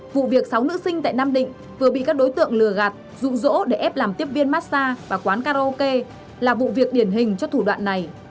vụ việc sáu nữ sinh tại nam định vừa bị các đối tượng lừa gạt rụ rỗ để ép làm tiếp viên massage và quán karaoke là vụ việc điển hình cho thủ đoạn này